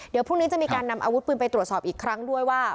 เดี๋ยวพรุ่งนี้จะมีการนำอาวุธปืนไปตรวจสอบอีกครั้งด้วยว่า